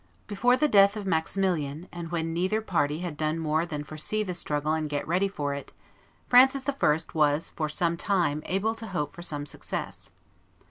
Before the death of Maximilian, and when neither party had done more than foresee the struggle and get ready for it, Francis I. was for some time able to hope for some success.